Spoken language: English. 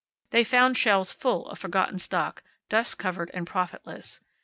They found shelves full of forgotten stock, dust covered and profitless.